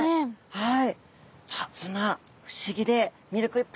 はい。